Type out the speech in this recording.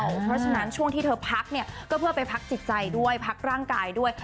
เพราะฉะนั้นช่วงที่เธอพักเนี่ยก็เพื่อไปพักจิตใจด้วยพักร่างกายด้วย